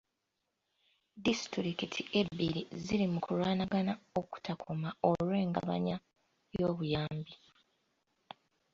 Disitulikiti ebbiri ziri mu kulwanagana okutakoma olw'engabanya y'obuyambi.